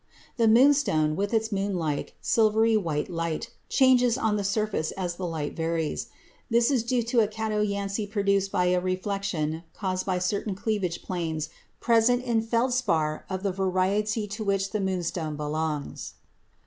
The moonstone, with its moonlike, silvery white light, changes on the surface as the light varies. This is due to a chatoyancy produced by a reflection caused by certain cleavage planes present in feldspar of the variety to which the moonstone belongs.